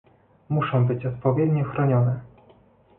Muszą być odpowiednio chronione